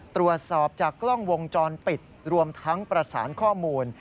ตรวจสอบจากกล้องวงจรปิดรวมทั้งประสานข้อมูล